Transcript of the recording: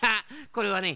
これはね